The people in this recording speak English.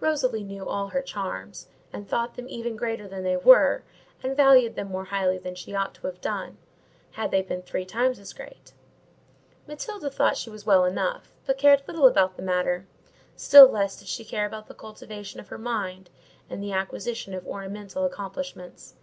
Rosalie knew all her charms, and thought them even greater than they were, and valued them more highly than she ought to have done, had they been three times as great; Matilda thought she was well enough, but cared little about the matter; still less did she care about the cultivation of her mind, and the acquisition of ornamental accomplishments.